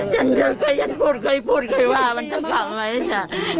ฉันพูดเคยว่ามันจะกลับไหน